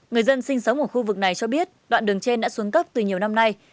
người dân sinh sống ở khu vực này cho biết đoạn đường trên đã xuống cấp từ nhiều năm nay